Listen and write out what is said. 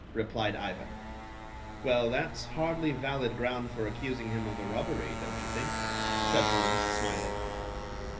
replied Ivan. "Well, that's hardly valid ground for accusing him of the robbery, don't you think?" said Holmes, smiling.